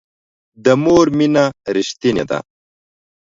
د مور مینه ریښتینې ده